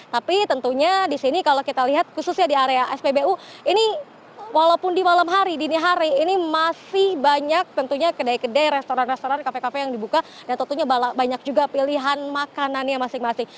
tapi tentunya disini kalau kita lihat khususnya di area spbu ini walaupun di malam hari dini hari ini masih banyak tentunya kedai kedai restoran restoran kafe kafe yang dibuka dan tentunya banyak juga pilihan makanannya masing masing